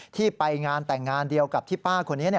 ที่ไปงานแต่งงานเดียวกับที่ป้าคนนี้